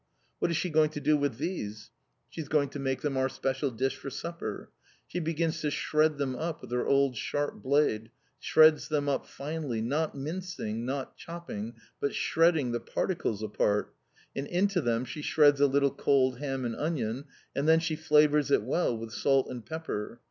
What is she going to do with these? She is going to make them our special dish for supper. She begins to shred them up with her old sharp blade shreds them up finely, not mincing, not chopping, but shredding the particles apart and into them she shreds a little cold ham and onion, and then she flavours it well with salt and pepper.